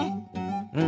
うん。